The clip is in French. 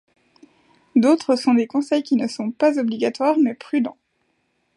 D'autres sont des conseils qui ne sont pas obligatoires, mais prudents.